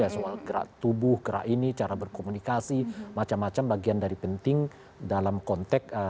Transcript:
soal gerak tubuh gerak ini cara berkomunikasi macam macam bagian dari penting dalam konteks